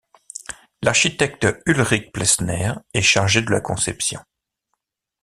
L'architecte Ulrik Plesner est chargé de la conception.